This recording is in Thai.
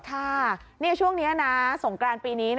ช่วงนี้นะสงกรานปีนี้